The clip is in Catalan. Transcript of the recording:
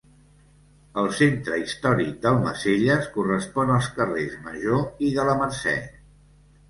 El centre històric d'Almacelles correspon als carrers Major i de la Mercè.